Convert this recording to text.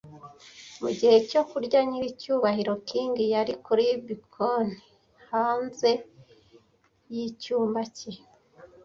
Mugihe cyo kurya, nyiricyubahiro King yari kuri bkoni hanze yicyumba cye.